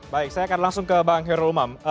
baik saya akan langsung ke bang hoirul mam